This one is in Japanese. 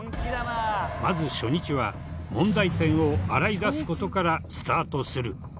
まず初日は問題点を洗い出す事からスタートする。